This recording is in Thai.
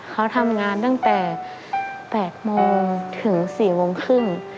เขาทำงานตั้งแต่๘โมงถึง๔โมงครึ่ง